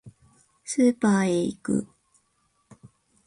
スーパーへ行く